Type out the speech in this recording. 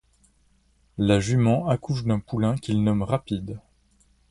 La jument accouche d'un poulain qu'ils nomment Rapide.